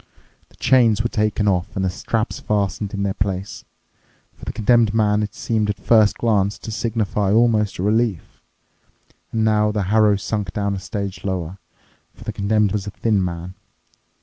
The chains were taken off and the straps fastened in their place. For the Condemned Man it seemed at first glance to signify almost a relief. And now the harrow sunk down a stage lower, for the Condemned was a thin man.